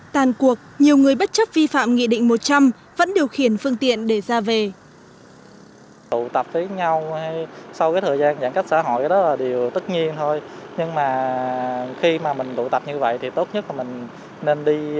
tàn cuộc nhiều người bất chấp vi phạm nghị định một trăm linh vẫn điều khiển phương tiện để ra về